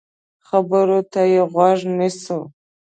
خبرو ته يې غوږ نیسو.